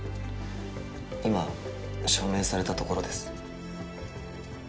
今証明されたところです。